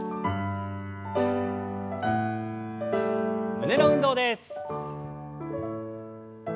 胸の運動です。